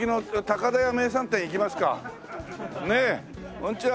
こんにちは。